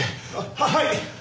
ははい！